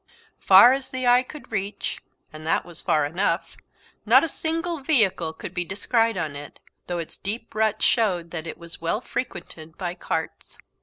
Far as the eye could reach and that was far enough not a single vehicle could be descried on it, though its deep ruts showed that it was well frequented by carts.